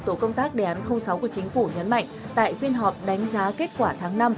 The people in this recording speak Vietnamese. tổ công tác đề án sáu của chính phủ nhấn mạnh tại phiên họp đánh giá kết quả tháng năm